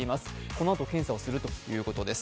このあと検査をするということです。